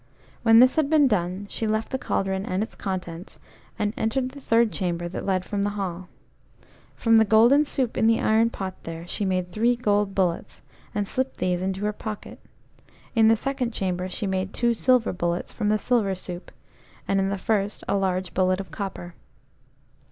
When this had been done, she left the cauldron and its contents, and entered the third chamber that led from the hall. From the golden soup in the iron pot there, she made three gold bullets, and slipped these into her pocket. In the second chamber she made two silver bullets from the silver soup, and in the first a large bullet of copper.